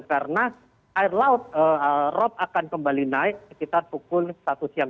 karena air laut akan kembali naik sekitar pukul satu siang